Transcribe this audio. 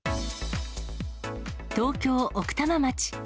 東京・奥多摩町。